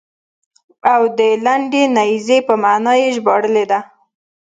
او د لنډې نېزې په معنا یې ژباړلې ده.